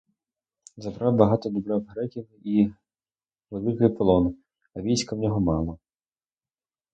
Забрав багато добра в греків і великий полон, а війська в нього мало.